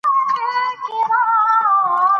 د ملي بس دننه ښځې ولاړې دي.